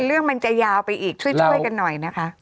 เรื่องมันจะยาวไปอีกช่วยกันหน่อยนะคะ